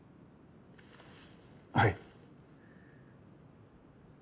はい。